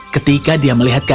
ketika dia melihat kartu